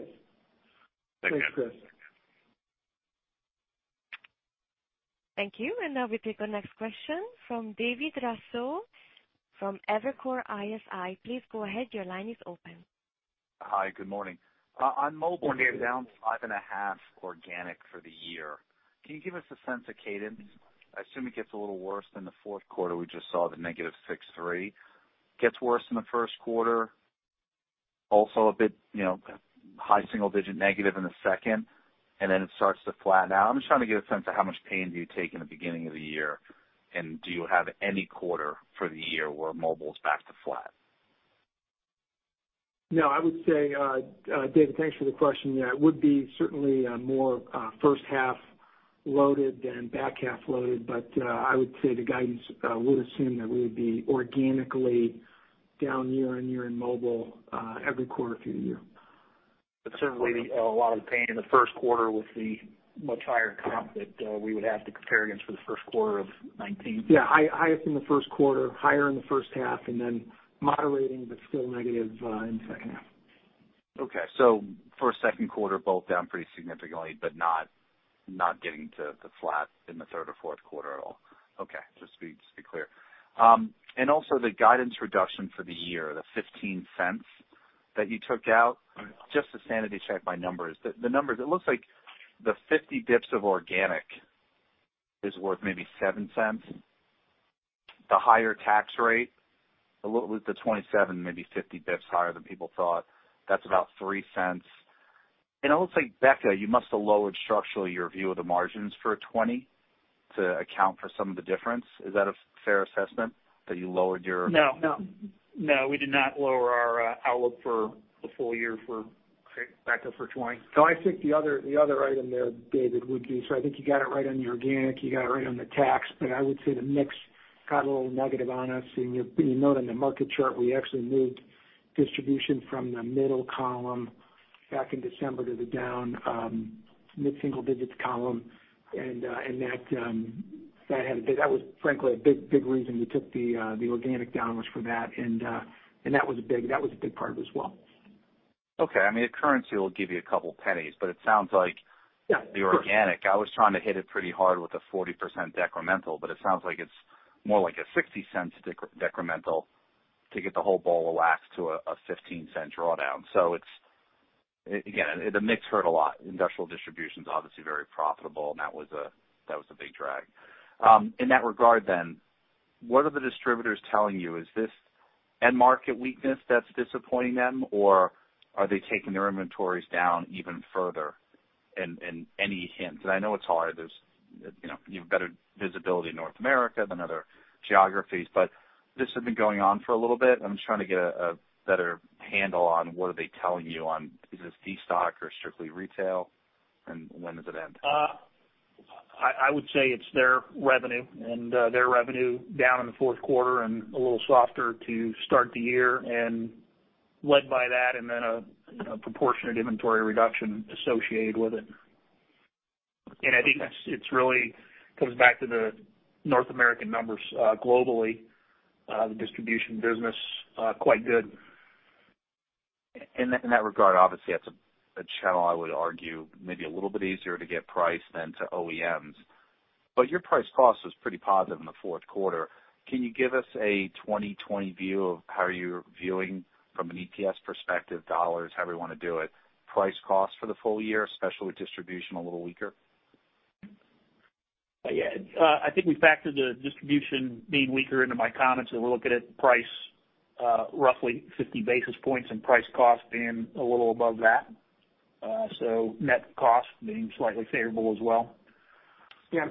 Thanks. Thanks, Chris. Thank you. Now we take our next question from David Raso from Evercore ISI. Please go ahead, your line is open. Hi, good morning. Good morning. You're down five and a half organic for the year. Can you give us a sense of cadence? I assume it gets a little worse in the fourth quarter. We just saw the negative 6.3%. Gets worse in the first quarter. Also a bit high single digit negative in the second, and then it starts to flatten out. I'm just trying to get a sense of how much pain do you take in the beginning of the year, and do you have any quarter for the year where Mobile's back to flat? I would say David, thanks for the question. It would be certainly more first half loaded than back half loaded, but I would say the guidance would assume that we would be organically down year-on-year in Mobile every quarter through the year. Certainly a lot of the pain in the first quarter with the much higher comp that we would have to compare against for the first quarter of 2019. Yeah, highest in the first quarter, higher in the first half, and then moderating but still negative in the second half. For a second quarter, both down pretty significantly, but not getting to flat in the third or fourth quarter at all? Okay, just to be clear. Also the guidance reduction for the year, the $0.15 that you took out. Just to sanity check my numbers. The numbers, it looks like the 50 basis points of organic is worth maybe $0.07? The higher tax rate, the what was the 27%, maybe 50 basis points higher than people thought. That's about $0.03. It looks like BEKA, you must have lowered structurally your view of the margins for 2020 to account for some of the difference. Is that a fair assessment that you lowered your- No, we did not lower our outlook for the full year for BEKA for 2020. I think the other item there, David, would be. I think you got it right on the organic, you got it right on the tax. I would say the mix got a little negative on us. You note on the market chart, we actually moved distribution from the middle column back in December to the down mid-single digits column. That was frankly a big reason we took the organic down was for that. That was a big part of it as well. Okay. The currency will give you a couple pennies. It sounds like. Yeah the organic, I was trying to hit it pretty hard with a 40% decremental, but it sounds like it's more like a $0.60 decremental to get the whole ball of wax to a $0.15 drawdown. Again, the mix hurt a lot. Industrial distribution is obviously very profitable, and that was a big drag. In that regard, what are the distributors telling you? Is this end market weakness that's disappointing them, or are they taking their inventories down even further? Any hints, and I know it's hard. You have better visibility in North America than other geographies, but this has been going on for a little bit, and I'm just trying to get a better handle on what are they telling you on is this de-stock or strictly retail, and when does it end? I would say it's their revenue, and their revenue down in the fourth quarter and a little softer to start the year, and led by that and then a proportionate inventory reduction associated with it. I think it really comes back to the North American numbers globally, the distribution business, quite good. In that regard, obviously, that's a channel I would argue may be a little bit easier to get price than to OEMs. Your price cost was pretty positive in the fourth quarter. Can you give us a 2020 view of how you're viewing from an EPS perspective, dollars, however you want to do it, price cost for the full year, especially with distribution a little weaker? I think I factored the distribution being weaker into my comments. We're looking at price roughly 50 basis points and price cost being a little above that. Net cost being slightly favorable as well. Yeah.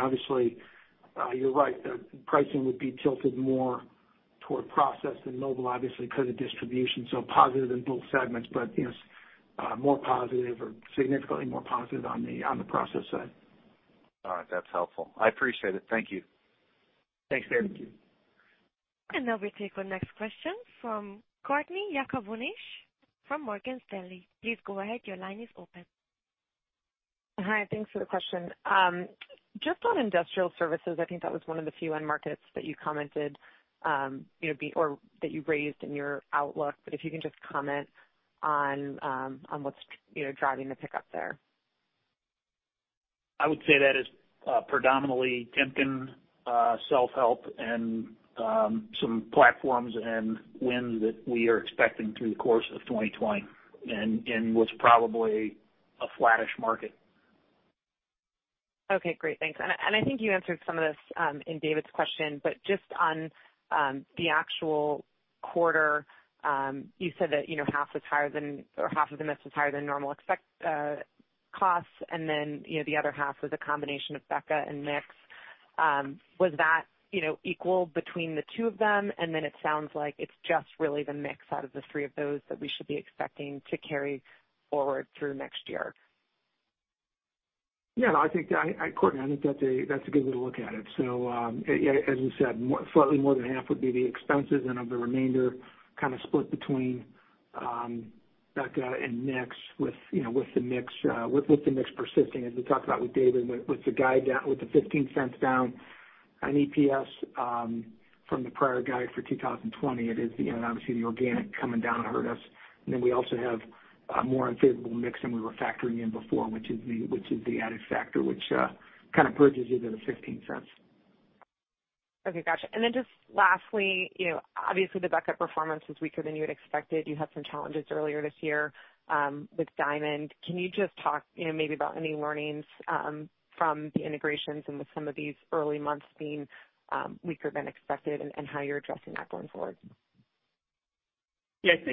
Obviously, you're right, the pricing would be tilted more toward process than mobile, obviously because of distribution, so positive in both segments, but more positive or significantly more positive on the process side. All right. That's helpful. I appreciate it. Thank you. Thanks, David. Thank you. Now we take our next question from Courtney Yakavonis from Morgan Stanley. Please go ahead. Your line is open. Hi. Thanks for the question. On industrial services, I think that was one of the few end markets that you commented or that you raised in your outlook. If you can just comment on what's driving the pickup there. I would say that is predominantly Timken self-help and some platforms and wins that we are expecting through the course of 2020 in what's probably a flattish market. I think you answered some of this in David's question, but just on the actual quarter, you said that half of the miss was higher than normal costs, and then the other half was a combination of BEKA and mix. Was that equal between the two of them? It sounds like it's just really the mix out of the three of those that we should be expecting to carry forward through next year. Yeah. Courtney, I think that's a good way to look at it. As you said, slightly more than half would be the expenses, and of the remainder, kind of split between BEKA and mix with the mix persisting. As we talked about with David, with the guide down, with the $0.15 down on EPS from the prior guide for 2020, it is obviously the organic coming down hurt us. We also have a more unfavorable mix than we were factoring in before, which is the added factor which kind of purges into the $0.15. Okay. Got you. Just lastly, obviously the BEKA performance was weaker than you had expected. You had some challenges earlier this year with Diamond. Can you just talk maybe about any learnings from the integrations with some of these early months being weaker than expected and how you're addressing that going forward? Yeah. I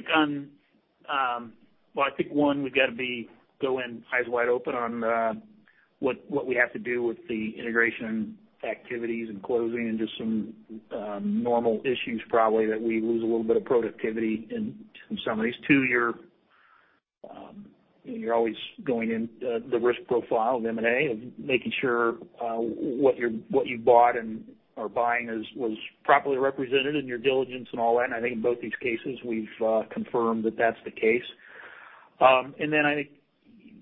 think, one, we've got to go in eyes wide open on what we have to do with the integration activities and closing and just some normal issues probably that we lose a little bit of productivity in some of these. Two, you're always going in the risk profile of M&A of making sure what you bought and are buying was properly represented in your diligence and all that, and I think in both these cases we've confirmed that that's the case. I think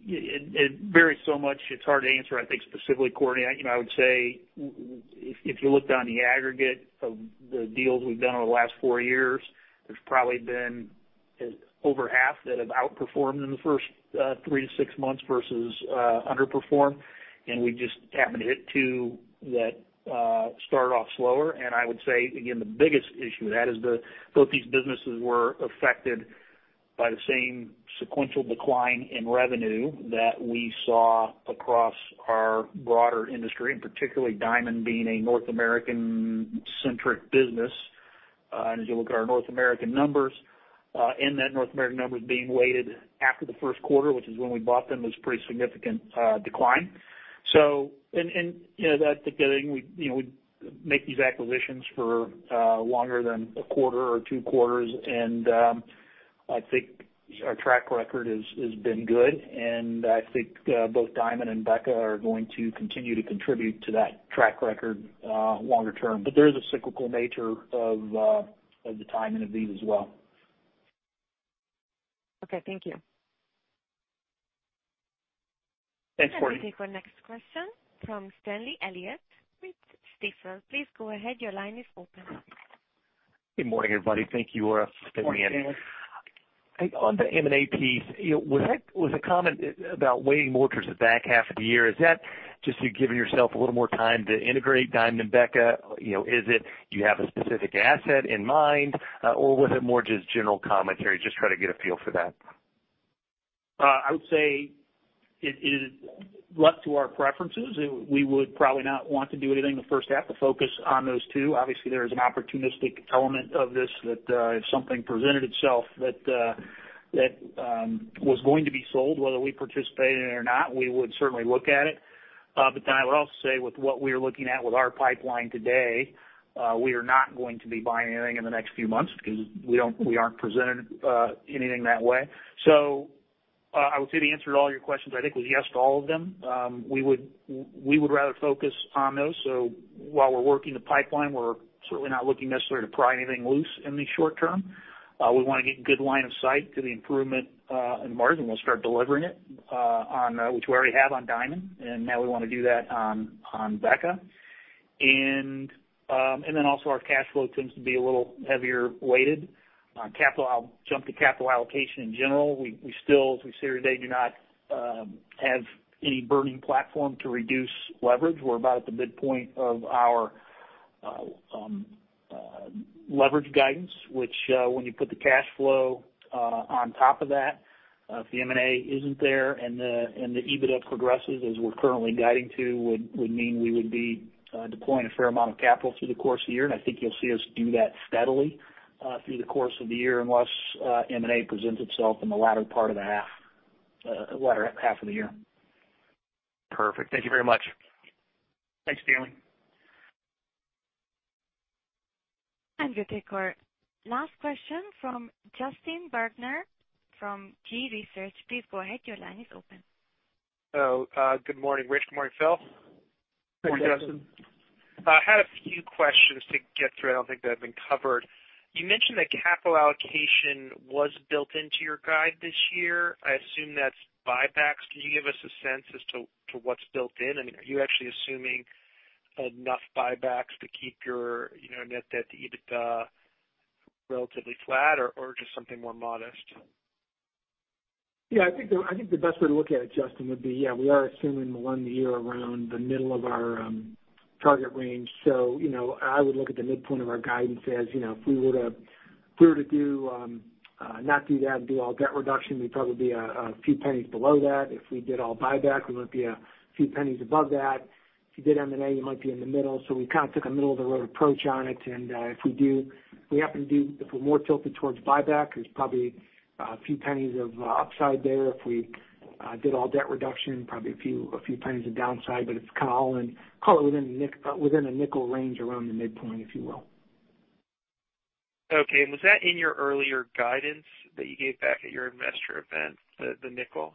it varies so much, it's hard to answer, I think specifically, Courtney. I would say if you looked on the aggregate of the deals we've done over the last four years, there's probably been over half that have outperformed in the first three to six months versus underperformed, and we just happened to hit two that started off slower. I would say, again, the biggest issue with that is both these businesses were affected by the same sequential decline in revenue that we saw across our broader industry, and particularly Diamond being a North American-centric business. As you look at our North American numbers, and that North American numbers being weighted after the first quarter, which is when we bought them, it was a pretty significant decline. We make these acquisitions for longer than a quarter or two quarters, and I think our track record has been good, and I think both Diamond and BEKA are going to continue to contribute to that track record longer term. There is a cyclical nature of the timing of these as well. Okay, thank you. Thanks, Courtney. Let me take our next question from Stanley Elliott with Stifel. Please go ahead. Your line is open. Good morning, everybody. Thank you, Ora. Stanley Elliott. Morning, Stanley. On the M&A piece, was the comment about waiting more towards the back half of the year? Is that just you giving yourself a little more time to integrate Diamond BEKA? Is it you have a specific asset in mind? Or was it more just general commentary? Just trying to get a feel for that. I would say it is up to our preferences. We would probably not want to do anything in the first half but focus on those two. Obviously, there is an opportunistic element of this that if something presented itself that was going to be sold, whether we participated in it or not, we would certainly look at it. I would also say with what we are looking at with our pipeline today, we are not going to be buying anything in the next few months because we aren't presented anything that way. I would say the answer to all your questions, I think, was yes to all of them. We would rather focus on those. While we're working the pipeline, we're certainly not looking necessarily to pry anything loose in the short term. We want to get good line of sight to the improvement in the margin. We'll start delivering it, which we already have on Diamond. Now we want to do that on BEKA. Also our cash flow tends to be a little heavier weighted. I'll jump to capital allocation in general. We still, as we sit here today, do not have any burning platform to reduce leverage. We're about at the midpoint of our leverage guidance, which when you put the cash flow on top of that, if the M&A isn't there and the EBITDA progresses as we're currently guiding to, would mean we would be deploying a fair amount of capital through the course of the year. I think you'll see us do that steadily through the course of the year, unless M&A presents itself in the latter part of the half, latter half of the year. Perfect. Thank you very much. Thanks, Stanley. We'll take our last question from Justin Bergner from Gabelli Research. Please go ahead. Your line is open. Hello. Good morning, Rich. Good morning, Phil. Good morning, Justin. I had a few questions to get through. I don't think they've been covered. You mentioned that capital allocation was built into your guide this year. I assume that's buybacks. Can you give us a sense as to what's built in? Are you actually assuming enough buybacks to keep your net debt to EBITDA relatively flat or just something more modest? I think the best way to look at it, Justin, would be, yeah, we are assuming one year around the middle of our target range. I would look at the midpoint of our guidance as if we were to not do that and do all debt reduction, we'd probably be a few pennies below that. If we did all buyback, we might be a few pennies above that. If you did M&A, you might be in the middle. We kind of took a middle-of-the-road approach on it, and if we happen to be more tilted towards buyback, there's probably a few pennies of upside there. If we did all debt reduction, probably a few pennies of downside, but it's within a nickel range around the midpoint, if you will. Okay. Was that in your earlier guidance that you gave back at your investor event, the nickel?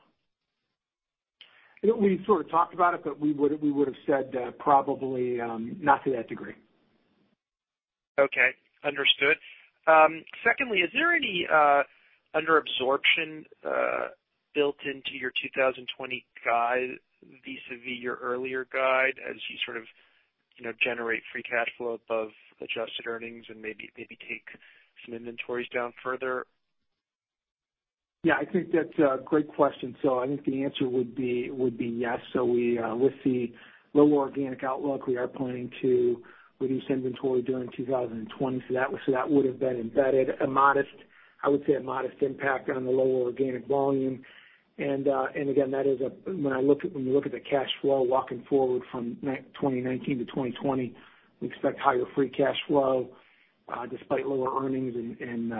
We sort of talked about it, but we would've said probably not to that degree. Okay, understood. Secondly, is there any under absorption built into your 2020 guide vis-a-vis your earlier guide as you sort of generate free cash flow above adjusted earnings and maybe take some inventories down further? I think that's a great question. I think the answer would be yes. With the lower organic outlook, we are planning to reduce inventory during 2020. That would have been embedded, I would say, a modest impact on the lower organic volume. Again, when you look at the cash flow walking forward from 2019 to 2020, we expect higher free cash flow despite lower earnings and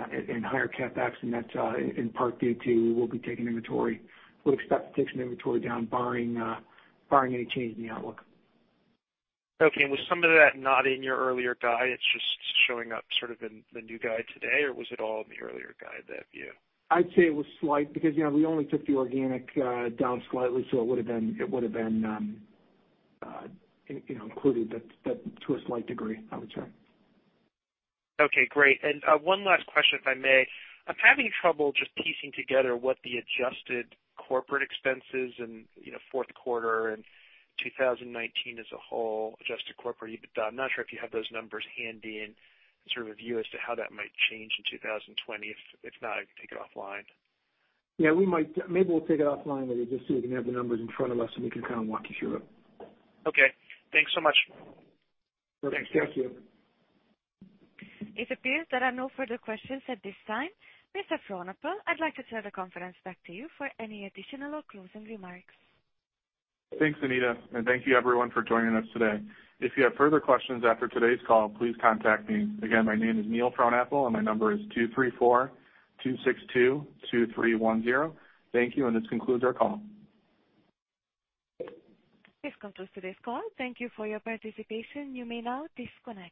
higher CapEx, and that's in part due to we'll expect to take some inventory down barring any change in the outlook. Okay. Was some of that not in your earlier guide, it's just showing up sort of in the new guide today, or was it all in the earlier guide that view? I'd say it was slight because we only took the organic down slightly, so it would have been included to a slight degree, I would say. Okay, great. One last question, if I may. I'm having trouble just piecing together what the adjusted corporate expenses in fourth quarter and 2019 as a whole, adjusted corporate EBITDA. I'm not sure if you have those numbers handy and sort of a view as to how that might change in 2020. If not, I can take it offline. Yeah, maybe we'll take it offline, but just so we can have the numbers in front of us, and we can kind of walk you through it. Okay. Thanks so much. Perfect. Thank you. It appears there are no further questions at this time. Mr. Frohnapple, I'd like to turn the conference back to you for any additional or closing remarks. Thanks, Anita, and thank you everyone for joining us today. If you have further questions after today's call, please contact me. Again, my name is Neil Frohnapple, and my number is 234-262-2310. Thank you, and this concludes our call. This concludes today's call. Thank you for your participation. You may now disconnect.